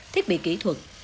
thiết bị kỹ thuật